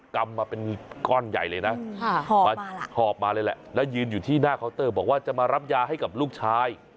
กำมาเป็นก้อนใหญ่เลยนะหอบมาเลยแหละแล้วยืนอยู่ที่หน้าเคาน์เตอร์บอกว่าจะมารับยาให้กับลูกชาย